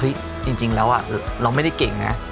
เฮ้ยจริงแล้วอะเราไม่ได้เก่งนะ